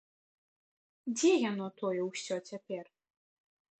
Дзе яно тое ўсё цяпер?